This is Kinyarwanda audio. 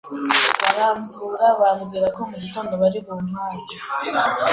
baramvura bambwira ko mugitondo bari bumpage,